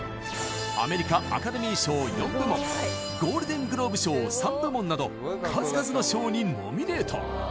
アメリカアカデミー賞４部門ゴールデングローブ賞３部門など数々の賞にノミネート